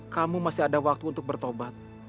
kamu masih ada waktu untuk bertobat